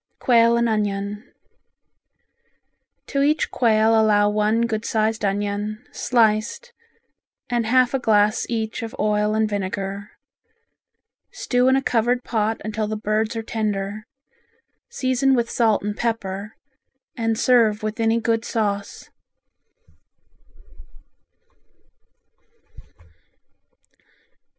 Quail and Onion To each quail allow one good sized onion, sliced, and half a glass each of oil and vinegar. Stew in a covered pot until the birds are tender. Season with salt and pepper, and serve with any good sauce.